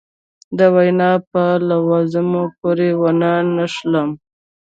د ویناوو په لوازمو پورې ونه نښلم.